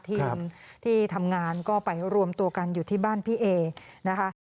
ทีมที่ทำงานก็ไปรวมตัวกันอยู่ที่บ้านพี่เอนะคะ